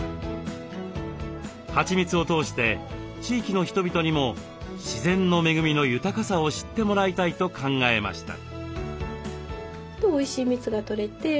はちみつを通して地域の人々にも自然の恵みの豊かさを知ってもらいたいと考えました。